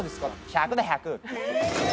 「１００だ１００」